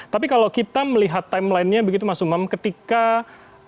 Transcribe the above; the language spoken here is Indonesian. tapi kalau kita melihat timelinenya begitu mas umang ketika pilkada serentak akan dilaksanakan